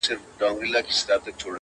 o تېر پر تېر، هېر پر هېر!